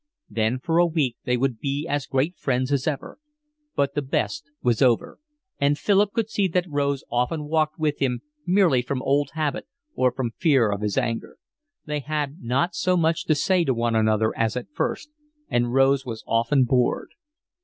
Then for a week they would be as great friends as ever. But the best was over, and Philip could see that Rose often walked with him merely from old habit or from fear of his anger; they had not so much to say to one another as at first, and Rose was often bored.